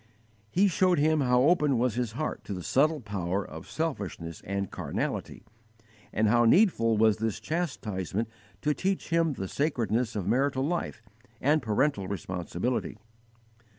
He showed him how open was his heart to the subtle power of selfishness and carnality, and how needful was this chastisement to teach him the sacredness of marital life and parental responsibility.